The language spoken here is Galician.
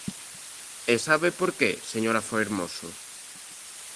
E ¿sabe por que, señora Fermoso?